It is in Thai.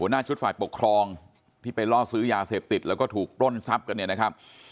หน้าชุดฝ่ายปกครองที่ไปล่อซื้อยาเสพติดแล้วก็ถูกปล้นทรัพย์กันเนี่ยนะครับ